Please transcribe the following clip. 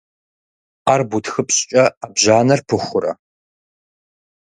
Ӏэр бутхыпщӀкӀэ, Ӏэбжьанэр пыхурэ?